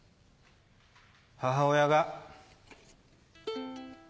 母親が。